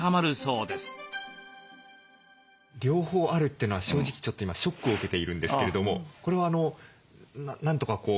両方あるというのは正直今ショックを受けているんですけれどもこれはなんとかこうなんとかなる？